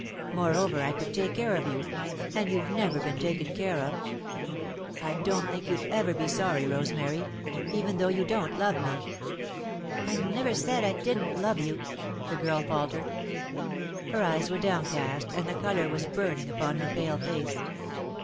Moreover, I could take care of you, and you've never been taken care of. I don't think you'd ever be sorry, Rosemary, even though you don't love me." "I never said I didn't love you," the girl faltered. Her eyes were downcast and the colour was burning upon her pale face.